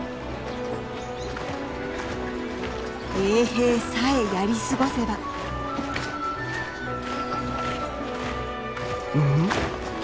衛兵さえやり過ごせばん？